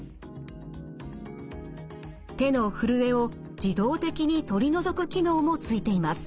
手の震えを自動的に取り除く機能もついています。